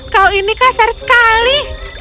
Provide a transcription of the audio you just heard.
kau ini kasar sekali